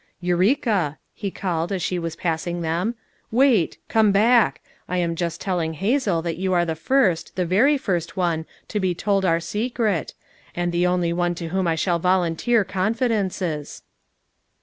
"Eureka," he called as she was passing them. "Wait! come back; I am just telling Hazel that yon are the first, the very first one to be told our secret; and the only one to whom I shall volunteer confidences."